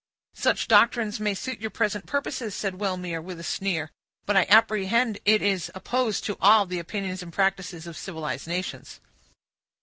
"Such doctrines may suit your present purposes," said Wellmere, with a sneer; "but I apprehend it is opposed to all the opinions and practices of civilized nations."